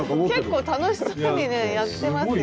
結構楽しそうにねやってますよ。